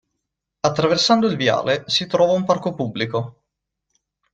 Attraversando il viale si trova un parco pubblico.